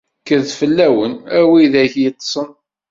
Kkret fell-awen, a widak yeṭṭeṣen!